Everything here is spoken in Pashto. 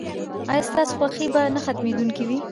ایا ستاسو خوښي به نه ختمیدونکې وي؟